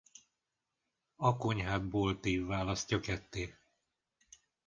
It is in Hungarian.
A konyhát boltív választja ketté.